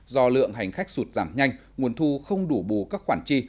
do lượng hành khách sụt giảm nhanh nguồn thu không đủ bù các khoản chi